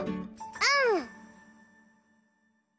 うん！